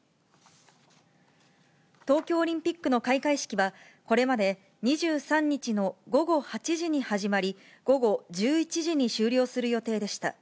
東京オリンピックの開会式は、これまで２３日の午後８時に始まり、午後１１時に終了する予定でした。